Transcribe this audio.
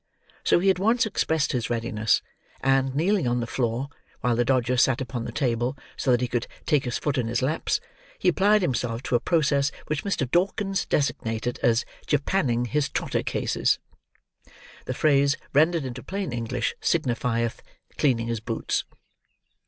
So he at once expressed his readiness; and, kneeling on the floor, while the Dodger sat upon the table so that he could take his foot in his laps, he applied himself to a process which Mr. Dawkins designated as "japanning his trotter cases." The phrase, rendered into plain English, signifieth, cleaning his boots.